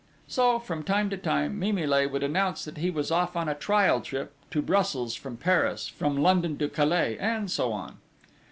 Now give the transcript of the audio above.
So, from time to time, Mimile would announce that he was off on a trial trip to Brussels from Paris, from London to Calais, and so on.